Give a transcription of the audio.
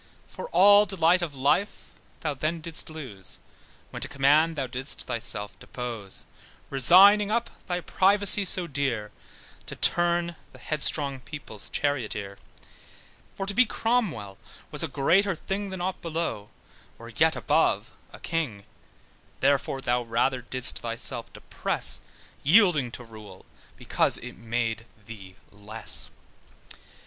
For all delight of life thou then didst lose, When to command, thou didst thyself dispose; Resigning up thy privacy so dear, To turn the headstrong people's charioteer; For to be Cromwell was a greater thing, Then ought below, or yet above a king: Therefore thou rather didst thyself depress, Yielding to rule, because it made thee less.